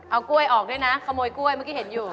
เอากล้วยออกด้วยนะขโมยกล้วยเมื่อกี้เห็นอยู่